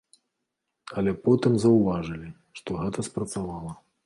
Але потым заўважылі, што гэта спрацавала.